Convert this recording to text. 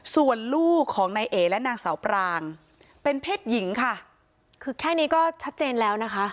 ส่วนลูกของนายเอ๋และนางสาวปรางเป็นเพศหญิงค่ะคือแค่นี้ก็ชัดเจนแล้วนะคะ